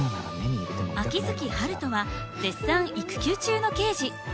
秋月春風は絶賛育休中の刑事。